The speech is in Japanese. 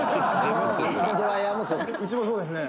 「うちもそうですね」